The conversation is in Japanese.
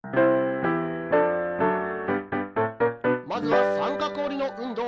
まずは三角おりの運動！